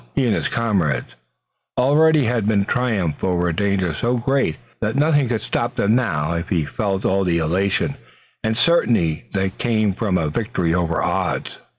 He and his comrades already had been triumphant over a danger so great that nothing could stop them now. He felt all the elation and certainty that came from a victory over odds.